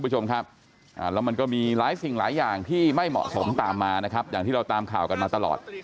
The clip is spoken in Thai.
หลายอย่างที่ไม่เหมาะสมตามมานะครับอย่างที่เราตามข่าวกันมาตลอด